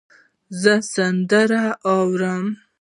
زه سندرې اورم.